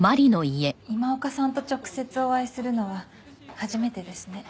今岡さんと直接お会いするのは初めてですね。